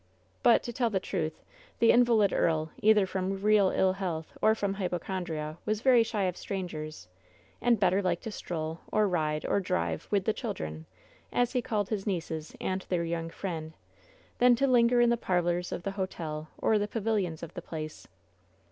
But, to tell the truth, the invalid eari, either from real ill health or from hypochondria, was very shy of strangers, and better liked to stroll, or ride, or drive with "the children,*' as he called his nieces and their young friend, than to linger in the pariors of the hotel or the pavilions of the place.